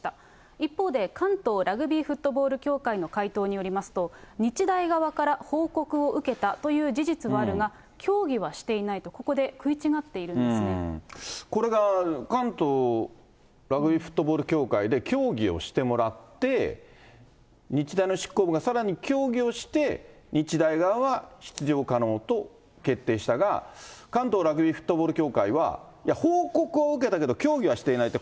一方で、関東ラグビーフットボール協会の回答によりますと、日大側から報告を受けたという事実はあるが、協議はしていないと、ここで食いこれが関東ラグビーフットボール協会で協議をしてもらって、日大の執行部がさらに協議をして、日大側は出場可能と決定したが、関東ラグビーフットボール協会は、いや、報告は受けたけど協議はしていないと。